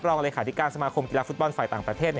รองเลขาธิการสมาคมกีฬาฟุตบอลฝ่ายต่างประเทศ